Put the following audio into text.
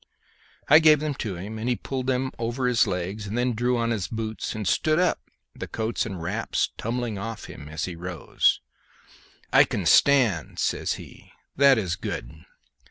I gave them to him, and he pulled them over his legs and then drew on his boots and stood up, the coats and wraps tumbling off him as he rose. "I can stand," says he. "That is good."